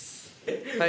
はい。